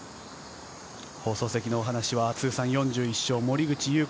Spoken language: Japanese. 放送席のお話は通算４１勝、森口祐子